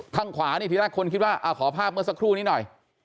ข้างขวานี่ทีแรกคนคิดว่าขอภาพเมื่อสักครู่นี้หน่อย